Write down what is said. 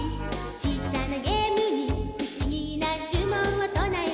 「小さなゲームにふしぎなじゅもんをとなえた」